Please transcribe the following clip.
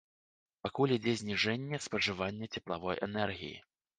Пакуль ідзе зніжэнне спажывання цеплавой энергіі.